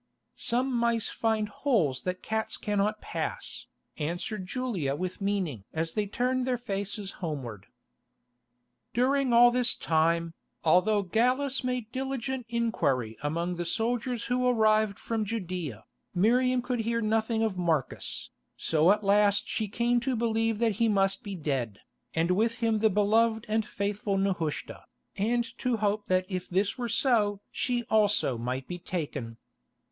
"Some mice find holes that cats cannot pass," answered Julia with meaning as they turned their faces homeward. During all this time, although Gallus made diligent inquiry among the soldiers who arrived from Judæa, Miriam could hear nothing of Marcus, so that at last she came to believe that he must be dead, and with him the beloved and faithful Nehushta, and to hope that if this were so she also might be taken.